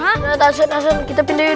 kita pindahin ke tempat ini